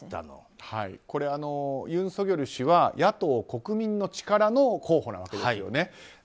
ユン・ソギョル氏は野党・国民の力の候補なわけですよね。